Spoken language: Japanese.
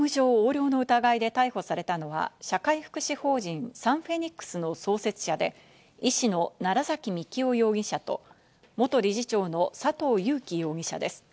業務上横領の疑いで逮捕されたのは社会福祉法人・サンフェニックスの創設者で、医師の楢崎幹雄容疑者と元理事長の佐藤裕紀容疑者です。